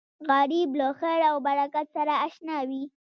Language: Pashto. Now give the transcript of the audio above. غریب له خیر او برکت سره اشنا وي